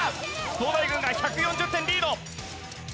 東大軍が１４０点リード。